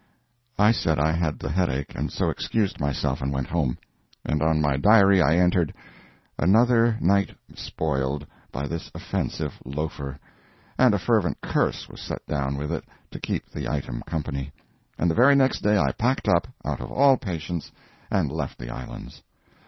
I said I had the headache, and so excused myself and went home. And on my diary I entered "another night spoiled" by this offensive loafer. And a fervent curse was set down with it to keep the item company. And the very next day I packed up, out of all patience, and left the Islands.